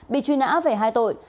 bị truy nã về hai tội